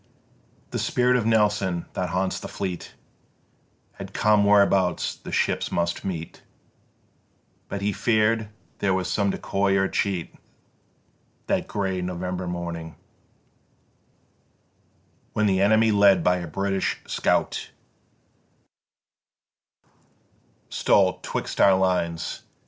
2. The spirit of Nelson, that haunts the Fleet, Had come whereabouts the ships must meet, But he fear'd there was some decoy or cheat That grey November morning, When the enemy led by a British scout Stole 'twixt our lines